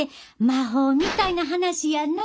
魔法みたいな話やな。